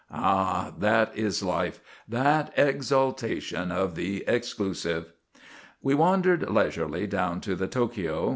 Ah, that is life, that exaltation of the "exclusive"! We wandered leisurely down to the Tokio.